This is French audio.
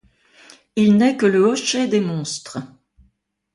Il n’est que le hochet des monstres.